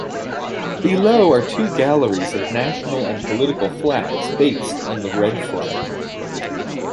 Below are two galleries of national and political flags based on the red flag.